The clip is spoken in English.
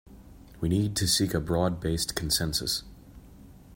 We need to seek a broad-based consensus.